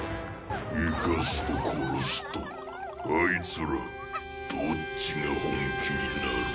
生かすと殺すとあいつらどっちが本気になる？